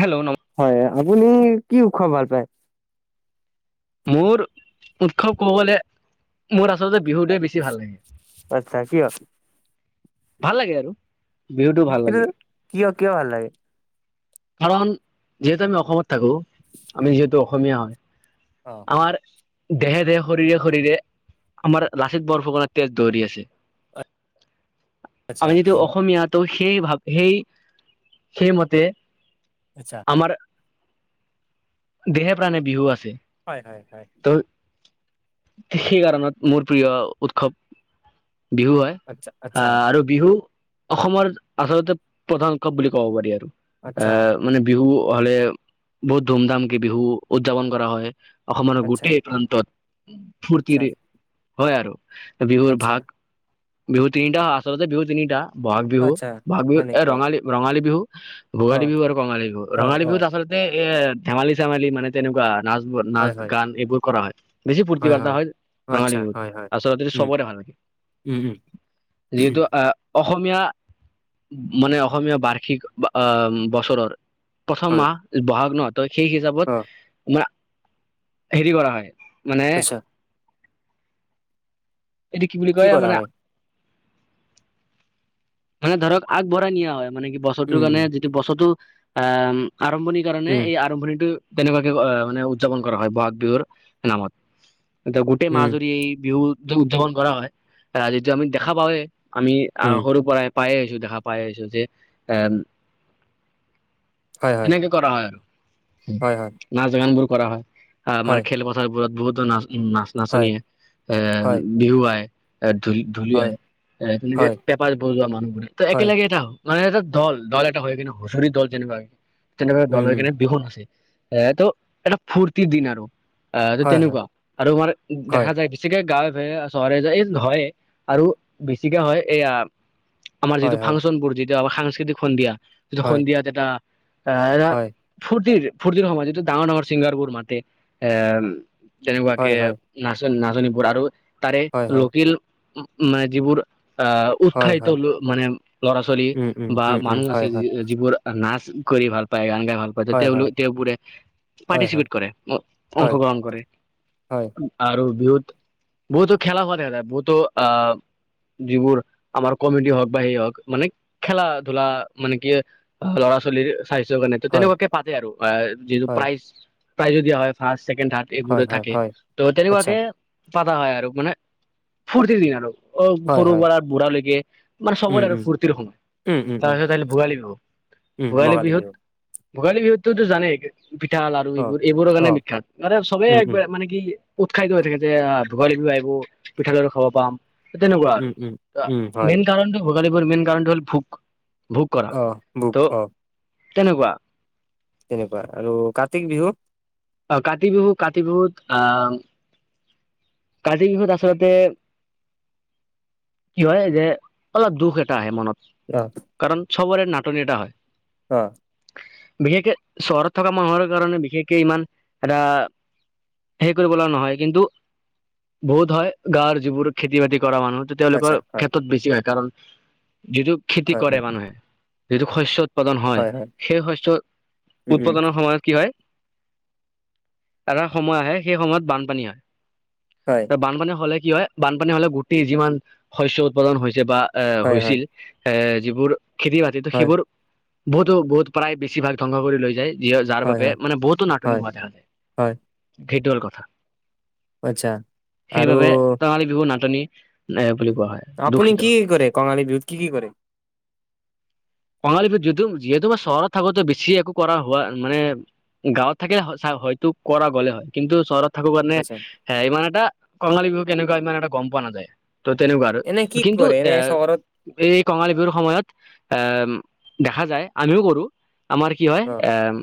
Hello নম হয়, আপুনি কি উৎসৱ ভাল পায়? মোৰ উৎসৱ ক'ব গ'লে, মোৰ আচলতে বিহুটোৱে বেছি ভাল লাগে। আচ্ছা, ঠিক আছে। ভাল লাগে আৰু। বিহুটো ভাল এইটো লাগে কিয় কিয় ভাল লাগে? কাৰণ যিহেতু আমি অসমত থাকো, আমি যিহেতু অসমীয়া হয়। অ' আমাৰ দেহে-দেহে, শৰীৰে-শৰীৰে আমাৰ লাচিত বৰফুকনৰ তেজ দৌৰি আছে। আচ্ছা আমি টো অসমীয়া তো সেই ভাৱ সেই সেইমতে আচ্ছা। আমাৰ দেহে প্ৰাণে বিহু আছে। হয়, হয়, হয়। ত সেই কাৰণত মোৰ প্ৰিয় উৎসৱ বিহু হয়। আচ্ছা আ আচ্ছা আৰু বিহু অসমৰ আচলতে প্ৰধান উৎসৱ বুলি ক'ব পাৰি আৰু। আ আচ্ছা মানে বিহু হ'লে, বহুত ধুম ধাম কে বিহু উদযাপন কৰা হয়। অসমৰ আচ্ছা গোটেই প্ৰান্তত আচ্ছা ফূৰ্তিৰে হয় আৰু। বিহুৰ আচ্ছা ভাগ, বিহু তিনিটা, আচলতে বিহু তিনিটা। বহাগ বিহু, আচ্ছা বহাগ হয় বিহুত এ নেকি অ ৰঙালী, ৰঙালী বিহু, অ ভোগালী বিহু আৰু কঙালী বিহু, অ ৰঙালী অ বিহুত আচলতে এ এই ধেমালি চেমালি মানে তেনেকুৱা নাচবোৰ হয় নাচ হয় গান এইবোৰ কৰা হয়। বেছি ফূৰ্তি ফাৰ্তা হয় ৰঙালী আচ্ছা বিহুত, হয় হয় আচলতে উম সবৰে ভাল লাগে। উম উম যিহেতু আ অসমীয়া মানে অসমীয়া বাৰ্ষিক বা আ বছৰৰ। প্ৰথম হয় মাহ বহাগ নহ ত সেই অ হিচাপত মা হেৰি কৰা হয় মানে আচ্ছা এইটো কি বুলি কয় কৰা মানে হয় মানে ধৰক আগবঢ়াই নিয়া হয় মানে কি বছৰটোৰ উম কাৰণে উম বছৰটো আহ আৰম্ভণিৰ কাৰণে উম এই আৰম্ভণিটো তেনেকুৱাকে অ, মানে উদযাপন কৰা হয় বহাগ বিহুৰ নামত। এতিয়া গোটেই মাহ উম ধৰি এই বিহু উদযাপন কৰা হয় আহ যিটো আমি দেখা পাওৱে। আমি আ উম সৰুৰ পৰাই পাই আহিছো দেখা পাই আহিছো যে। এম হয় হয় এনেকে কৰা হয়। হয় হয় নাচ-গান বোৰ কৰা হয় আমাৰ হয় খেলপথাৰবোৰত বহুতো না নাচ হয় নাচনীয়ে এ, বিহুৱাই এ, ধুলি হয় হয় ধুলিয়াই এহ, তেনেকে হয় পেপা বজোৱা মানুহ বোৰে ত' হয় একেলগে এটা হল মানে এটা দল - দল এটা হৈ কেনে হুচৰি দল যেনেকুৱা হয় তেনেকুৱা দল উম হৈ উম কিনে বিহু নাছে। এ, তো এটা ফূৰ্তিৰ দিন আৰু আহ, এতো হয় হয় তেনেকুৱা আৰু আমাৰ হয় দেখা যায় পি বেছিকে গাঁৱে ভুঁ‌য়ে চহৰে যে এইটো হয়য়ে আৰু বেছিকে হয় এয়া আমাৰ হয় যিটো হয় ফাংচনবোৰ যিটো আমাৰ সাংস্কৃতিক সন্ধিয়া যিটো হয়, সন্ধিয়াত এটা আহ, এটা হয়, ফূৰ্তিৰ ফূৰ্তিৰ সময়ত যিটোত ডাঙৰ-ডাঙৰ ছিংগাৰবোৰ মাতে আহ তেনেকুৱা হয়, কে হয়, নাচন নাচনীবোৰ আৰু তাৰে হয়, হয়, লোকেল মানে যিবোৰ আহ হয়, উৎখাহিত হয়, মানে ল'ৰা ছোৱালী। উম, উম, বা উম, উম, মানুহ হয়, আছে হয়, যিবোৰ নাচ কৰি ভাল পায় গান গাই ভাল পায় যাতে হয়, হয়, তেওঁলোক তেওঁবোৰে হয়, হয়, পাৰ্টিচিপেট কৰে হয়, অংশগ্ৰহণ কৰে। হয়, আৰু বিহুত বহুতো খেলা হোৱা দেখা যায় বহুতো আহ, যিবোৰ আমাৰ কমেডি বা হওক বা সেই হওক মানে খেলা-ধূলা মানে কি ল'ৰা ছোৱালীৰ স্বাস্থ্যৰ কাৰণে ত' হয়, তেনেকুৱাকে পাতে আৰু যিটো হয়, প্ৰাইজ প্ৰাইজো দিয়া হয় ফাৰ্ষ্ট, ছেকেণ্ড, থাৰ্ড। হয়, এইবোৰে হয়, থাকে হয়, ত' তেনেকুৱা আচ্ছা, কে পাতা হয় আৰু মানে ফূৰ্তিৰ দিন আৰু। অ, হয়, সৰু হয়, পৰা বুঢ়া লেকে মানে উম, সবৰে আৰু উম, ফূৰ্তিৰ সময়। উম, উম, উম, তাৰপিছত আহিলৰ ভোগালী বিহু উম, ভোগালী বগা বিহুত লাগিব, ভোগালী বিহুতটোতো জানে পিঠা লাড়ু অ', এইবোৰ এইবোৰৰ কাৰণে অ', বিখ্যাত মান চবেই উম, এক উম, মানে কি উৎসাহিত হৈ থাকে যে ভোগালী বিহু আহিব পিঠা লাড়ু খাব পাম। তেনেকুৱা আৰু উম, উম, উম, হয়, মেইন কাৰণটো ভোগালীবোৰ মেইন কাৰণটো হল ভোগ, ভোগ কৰা অ', বুক, অ', ত' তেনেকুৱা। তেনেকুৱা আৰু কাতিক বিহু অ, কাতি বিহু - কাতি বিহুত অ কাতিৰ বিহুত আচলতে কি হয় যে অলপ দুখ এটা আহে মনত। অ', কাৰণ চবৰে নাটনিয এটা হয়। অ', বিশেষকে চহৰত থকা মানুহৰ কাৰণে বিশেষকে ইমান এটা হেৰি কৰিব লগা নহয় কিন্তু বহুত হয় গাঁৱৰ যিবোৰ খেতি বাতি কৰা মানুহ ত' আচ্ছা, তেওঁলোকৰ হয়, ক্ষেত্ৰত বেছি হয় কাৰণ যিটো খেতি হয়, কৰে হয়, মানুহে যিটো শস্যত উৎপাদন হয়, সেই শস্য উম, উম, উৎপাদনৰ সময়ত কি হয়, এটা সময় আহে সেই সময়ত বানপানী হয়। হয়, বানপানী হলে কি হয়, বানপানী হলে গোটেই যিমান শস্য উৎপাদন হৈছে বা এ, হয়, হয়, হৈছিল। এ, যিবোৰ খেতি বাতিতো হয়, সেইবোৰ বহুতো বহুত প্ৰায় বেছিভাগ ধ্বংস কৰি লৈ যায়। যিয় যাৰ হয়, বাবে হয়, মানে বহুতো নাটনি হয়, হোৱা দেখা যায়, হয়, সেইটো হল কথা। আচ্ছা। সেইবাবে ৰঙালী বিহু নাটনি এ বুলি হুম, কোৱা হয় আপুনি দূষিত কি কৰে কঙালী বিহুত কি কি কৰে? [inaudible] কঙালী বিহুত যিটো যিহেতু মই চহৰত থাকো তো বেছি একো কৰা হোৱা মানে গাঁৱত থাকিলে হয়তো কৰা গ'লে হয়। কিন্তু চহৰত থাকো কাৰণে আচ্ছা, হে ইমান এটা কঙালী বিহু কেনেকুৱা ইমান এটা গম পোৱা নাযায়। ত' তেনেকুৱা আৰু, এনে কি কিন্তু কৰে এ এনে চহৰত এই কঙালী বিহুৰ সময়ত এ দেখা যায় আমিও কৰো আমাৰ কি হয় অ', এম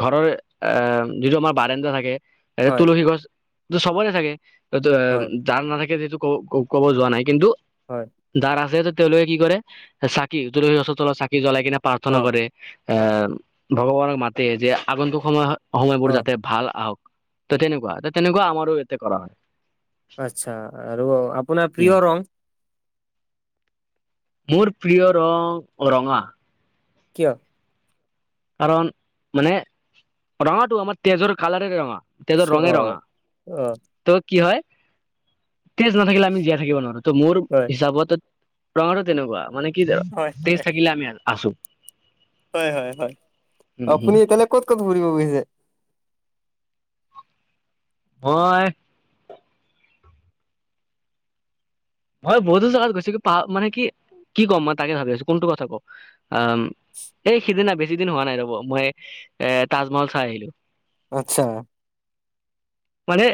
ঘৰৰ এহ যিটো আমাৰ বাৰেন্দা থাকে, এহ হয়, তুলসী গছ সেইতো চবৰে থাকে, ত ত এম হয়, যাৰ নাথাকে যিটো ক ক'ব যোৱা নাই কিন্তু, হয়। যাৰ আছে ত তেওঁলোকে কি কৰে চাকি তুলসী গছৰ তলত চাকি জ্বলাই কিনে প্ৰাৰ্থনা অ', কৰে। এ ভগৱানক মাতে যে আগন্তুক সময় সময়বোৰ অ', যাতে ভাল আহক। ত তেনেকুৱা ত তেনেকুৱা আমাৰো ইয়াতে কৰা হয়। আচ্ছা আৰু আপোনাৰ উম প্ৰিয় ৰং? মোৰ পিয় ৰং ৰঙা। কিয়? কাৰণ মানে ৰঙাটো আমাৰ তেজৰ কালাৰে ৰঙা। তেজৰ ৰঙে ৰঙা, অ', অ', ত কি হয় তেজ নাথাকিলে আমি জীয়াই থাকিব নোৱাৰো। ত মোৰ হয়, হিচাপত ৰঙাটো তেনেকুৱা মানে কি হয়, তেজ থাকিলে আমি আছো। হয় হয় হয়, উম হম আপুনি এতিয়ালৈ ক'ত ক'ত ঘুৰিব গৈছে? মই মই বহুতো জাগাত গৈছো, কি পাহ মানে কি কম মই তাকে ভাবি আছো কোনটো কথা কওঁ অঁম এই সিদিনা বেছি দিন হোৱা নাই ৰ'ব, মই এ তাজমহল চাই আহিলো। আচ্ছা। মানে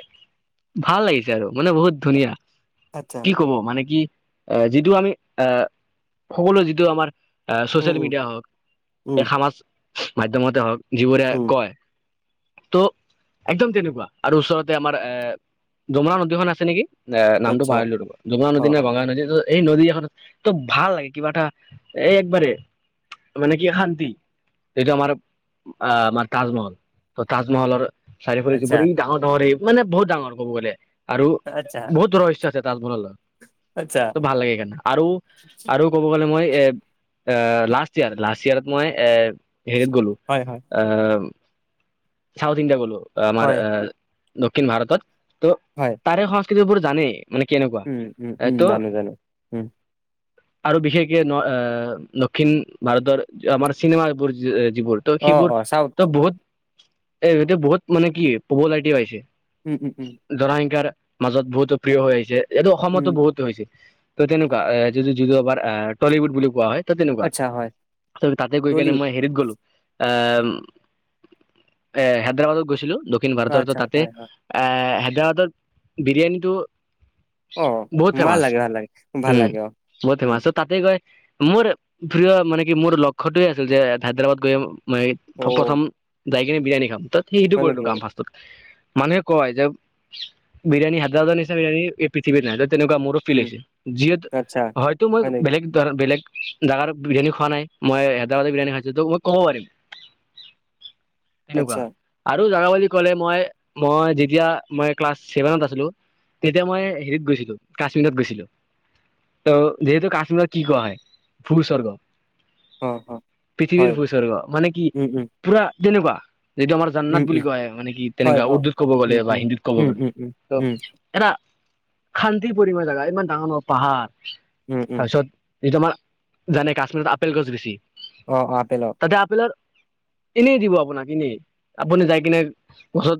ভাল লাগিছে আৰু মানে বহুত ধুনীয়া। আচ্ছা। কি ক'ব মানে কি যিটো আমি আহ সকলো যিটো আমাৰ এ উম, ছ'চিয়েল উম, মিডিয়া হওঁক এ উম, সমাজ মাধ্যমতে হওঁক যিবোৰে উম, কয়। ত, একদম তেনেকুৱা আৰু ওচৰতে আমাৰ এ যমুনা নদীখন আছে নেকি। আঁ, নামটো আচ্ছা, পাহৰিলো ৰ'ব, যমুনা অ', নদী নে অ গং গা নদীতো এই নদী এখন ত ভাল লাগে কিবা এটা এই একবাৰে মানে কি এ শান্তি, যিটো আমাৰ আহ আমাৰ তাজমহল ত তাজমহলৰ চাৰিওফালে আচ্ছা, যিবোৰ এই ডাঙৰ ডাঙৰ এই মানে বহুত ডাঙৰ ক'ব গলে, আৰু আচ্ছা, বহুত দূৰৰ ইচ্ছা তাজমহলৰ আচ্ছা, ত ভাল লাগে সেইকাৰণে, আৰু আৰু ক'ব গ'লে মই এ এ লাষ্ট ইয়াৰ লাষ্ট ইয়াৰত মই এ হেৰিত গ'লো। হয় হয়। আ, চাউথ ইণ্ডিয়া গ'লো, আমাৰ হয়, এ দক্ষিণ ভাৰতত ত' হয়। তাৰে সংস্কৃতিবোৰ জানে, মানে কেনেকুৱা। উম, উম, উম। ত জানে, জানে। উম। আৰু বিশেষকে ন আ দক্ষিণ ভাৰতৰ আমাৰ চিনেমাবোৰ যিবোৰ ত' অ', সেইবোৰ অ', চাউথ, ত বহুত এ সিহঁতে বহুত মানে কি পপুলাৰিটি পাইছে। উ, হু হু। জনসংখ্যাৰ মাজত বহুতো প্ৰিয় হৈ আহিছে, ইয়াতো উম, অসমতো বহুত হৈছে। ত' তেনেকুৱা। এ যিটো যিটো আবাৰ আ টলিউড বুলি কোৱা হয়। ত' তেনেকুৱা। আচ্ছা হয়, তাতে গৈ কেনে টলিউড মই হেৰিত গ'লো আ, এ হেদৰাবাদত গৈছিলো, দক্ষিণ ভাৰতৰ তৰ আচ্ছা তাতে হয় হয় এ, হেদৰাবাদত বিৰিয়ানীটো অ' বহুত মা ফেমাচ লাগে, মা লাগে। ভাল উম লাগে অ'। বহুত উম ফেমাচ। চ' তাতে গৈ, মোৰ প্ৰিয় মানে কি মোৰ লক্ষ্যটোৱে আছিল যে হাদৰাবাদ গৈ মই অ প্ৰথম যায় কিনে বিৰিয়ানী খাম, ত'ত সেইটো হয় কৰিলো নেকি কাম ৰ্ফাষ্ট। মানুহে কয় যে বিৰিয়ানী হাদৰাবাদৰ নিচনা বিৰিয়ানী এ পৃথিৱীত নাই ত', তেনেকুৱা মোৰো ফিল উম হৈছে। যিহেত আচ্ছা হয়তো মই হয় নেকি বেলেগ [unintelligible] বেলেগ জাগাৰ বিৰিয়ানী খোৱা নাই, মই হাদৰাবাদৰ বিৰিয়ানী খাইছো ত', মই ক'ব পাৰিম। এনেকুৱা আচ্ছা আৰু জাগা বুলি ক'লে মই মই যেতিয়া মই ক্লাছ ছেভেনত আছিলোঁ, তেতিয়া মই হেৰিত গৈছিলোঁ, কাশ্মীৰত গৈছিলোঁ। ত' যিহেতু কাশ্মীৰত কি কোৱা হয়- ভূস্বৰ্গ অ অ পৃথিৱীৰ হয় ভূস্বৰ্গ মানে কি উম উম পুৰা তেনোকা যিটো আমাৰ উম জান্নাত বুলি উম কয় মানে কি হয় তেনেকুৱা অ উৰ্দুত ক'ব উম গ'লে বা উম হিন্দীত ক'ব উম গ'লে। উম উম উম ত' এটা শান্তি পৰিময় জাগা ইমান ডাঙ দ' পাহাৰ, উম উম তাৰপিছত যিটো আমাৰ জানে কাশ্মীৰত আপেল গছ বেছি। অ' আপেলৰ তাতে আপেলৰ এনেই দিব আপোনাক এনেই। আপুনি যায় কিনে গছত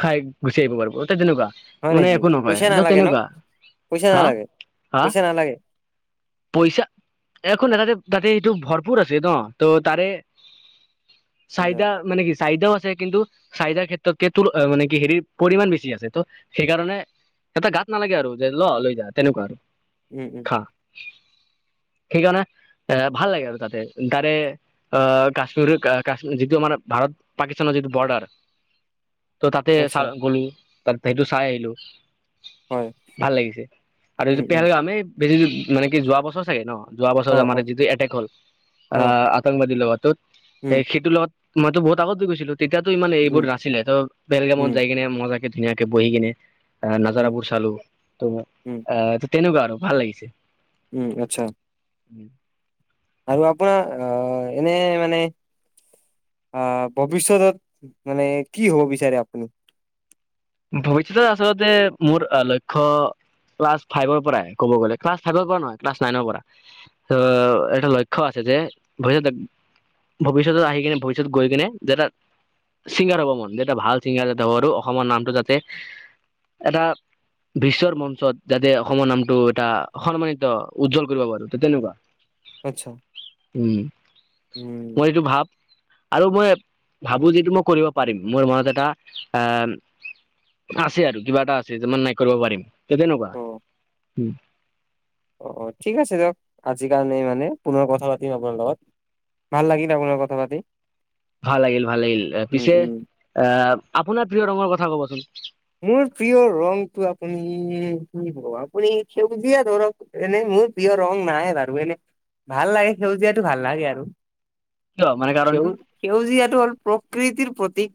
খাই গুচি আহিব পাৰব, তে তেনেকুৱা হয় মানে নেকি একো নকয়। [unintelligible] ন', তেনেকুৱা পইচা হা নালাগে? হা পইচা নালাগে। পইচা? এখো নাই, তাতে তাতে এইটো ভৰপৰ আছে ন', ত' তাৰে চাইতা, উম মানে কি চাইতাও আছে কিন্তু চাইদাৰ ক্ষেত্ৰত কে তুল মানে কি হেৰিৰ পৰিমাণ বেছি আছে ত', সেইকাৰণে এটা গাত নালাগে আৰু যে ল' লৈ যা তেনেকুৱা। উম। উম। সেইকাণে এ ভাল লাগে আৰু তাতে গাৰে আ, কাশ্মীৰ' কাশ যিটো আমাৰ ভাৰত পাকিস্তানৰ যিটো বৰ্ডাৰ ত' তাতে চা আচ্ছা গ'লো, তাত সেইটো চাই আহিলোঁ। হয় ভাল লাগিছে আৰু যি উম উম পেহেলগাম এ [unintelligible] মানে কি যোৱা বছৰ চাগে ন'। যোৱা অ বছৰযে আমাৰ অ এটিত যিটো এটেক হ'ল, আ অ আতংকবাদীৰ লগত ত' উম সেইটোৰ লগত মইতো বহুত আগত গৈছিলোঁ, তেতিয়াতো ইমান এইবোৰ উম নাছিলে, ত' পেহেলগামত উম যায় কিনে মজা কে ধুনীয়াকে বহি কিনে আ উম নাজাৰাবোৰ চালো। ত' উম আ তেনেকুৱা আৰু ভাল লাগিছে। উম, আচ্ছা। উম আৰু আপোনাৰ আ এনে মানে অ', ভৱিষ্যতত মানে কি হ'ব বিচাৰে আপুনি। ভৱিষ্যতে আচলতে মোৰ লক্ষ্য ক্লাছ ফাইভৰ পৰাই ক'ব গ'লে ক্লাছ ফাইভৰ পৰা নহয় ক্লাছ নাইনৰ পৰা। ত' এটা লক্ষ্য আছে যে ভৱিষ্যত ভৱিষ্যত আহি কিনে ভৱিষ্যত গৈ কিনে তাত ছিংগাৰ হ'ব মন ভাল চিংগাৰ যাতে হ'ব আৰু অসমৰ যাতে এটা বিশ্বৰ মঞ্চত যাতে অসমৰ নামটো এটা সন্মানিত উজ্জ্বল কৰিব পাৰো ত তেনেকুৱা। আচ্ছা। উম, উম, মই এইটো ভাব আৰু মই ভাবো যিটো মই কৰিব পাৰিম মোৰ মনত এটা এ আছে আৰু কিবা এটা আছে যমান নাই কৰিব পাৰিম তে তেনেকুৱা। অ', অ', অ', ঠিক আছে দিয়ক আজিৰ কাৰণে মানে পুনৰ কথা পাতিম আপোনাৰ লগত। ভাল লাগিব আপোনাৰ কথা পাতি। ভাল লাগিল ভাল লাগিল উম, পিছে উম। আহ আপোনাৰ প্ৰিয় ৰঙৰ কথা ক'বচোন? মোৰ প্ৰিয় ৰংটো আপুনি, আপুনি সেউজীয়া ধৰক এনেই মোৰ প্ৰিয় ৰং নাই বাৰু এনে ভাল লাগে সেউজীয়াটো ভাল লাগে আৰু কি মানে সেউ কাৰণটো সেউজীয়াটো হ'ল প্ৰকৃতিৰ প্ৰতীক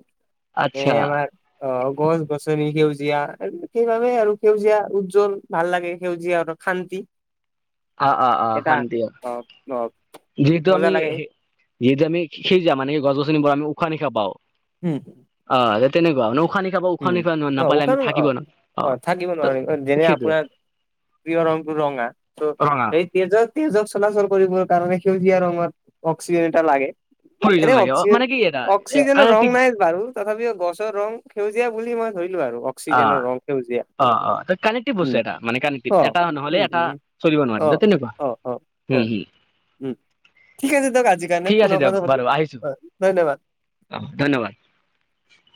এ আচ্ছা আমাৰ অ, গছ-গছ। আচনি সেউজীয়া আৰু সেইবাবে আৰু সেউজীয়া উজ্জ্বল ভাল লাগে সেউজীয়া শান্তি। অ', অ', অ', এটা শান্তি অ', অ', যিহেতু মজা আমি লাগে যিহেতু আম সজ য মানে গছনিবোৰ আমি উশাহ নিশা পাওঁ। হুম, অ, তেনেকুৱা ন খানি নিশাহ পাওঁ উশাহ উম, নিশাহ অ, নাপালে আমি উম, থাকিব অ', অ', থাকিব ত নোৱাৰি যেনে সেইটোৱে আপোনাৰ প্ৰীয় ৰংটো ৰঙা ৰঙা তেজক-তেজক চলাচল কৰিবৰ কাৰণে সেউজীয়া ৰঙত অক্সিজেন এটা লাগে। প্ৰয়োজন এনে লাগে অ অক্সিজ, মানে কি এটা অক্সিজেনৰ ৰং কানেক্টিভ নাই বাৰু। তথাপিও গছৰ ৰং সেউজীয়া বুলি মই ধৰিলো আৰু। অ অক্সিজেনৰ ৰং সেউজীয়া অ অ কানেক্টিভ উম, বস্তু এটা মানে কানেক্টিভ অ, এটা নহলে এটা উম-উম। চলিব নোৱাৰে ত অ', তেনেকুৱা অ', অ', ক উম হম উম, ঠিক আছে দিয়ক আজিৰ কাৰণে ঠিক আছে পুনৰ দিয়ক কথা বাৰু পাতিম আহিছো হয় ধন্যবাদ। অ, ধন্যবাদ।